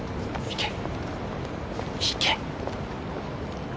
行け！